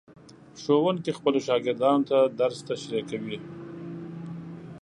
ښوونکي خپلو شاګردانو ته درس تشریح کوي.